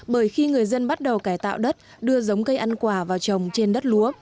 bởi khi người dân bắt đầu cải tạo đất đưa giống cây ăn quả vào trồng trên đất lúa